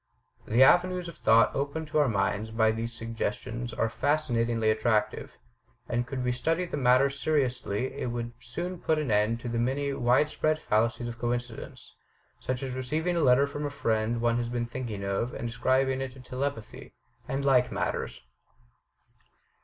The avenues of thought opened to our minds by these suggestions are fascinatingly attractive, and could we study the matter seriously it would soon put an end to many wide spread fallacies of coincidence — such as receiving a letter from a friend one has been thinking of and ascribing it to telepathy — and like matters.